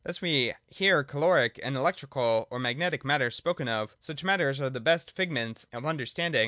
Thus we hear caloric, and electrical or magnetic matters spoken of Such matters are at the best figments of understanding.